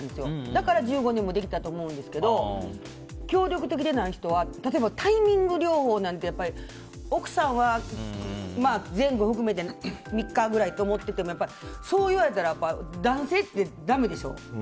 だからできたと思うんですが協力的でない人は例えば、タイミング療法なんて奥さんは全部含めて３日ぐらいと思っていてもそう言われたら男性ってだめでしょ。